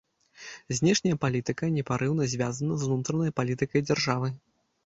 Знешняя палітыка непарыўна звязана з унутранай палітыкай дзяржавы.